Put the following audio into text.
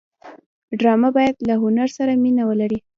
ډرامه باید له هنر سره مینه ولري